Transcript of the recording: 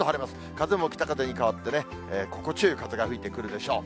風も北風に変わってね、心地よい風が吹いてくるでしょう。